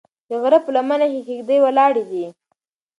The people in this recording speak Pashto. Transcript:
د غره په لمنه کې کيږدۍ ولاړې دي.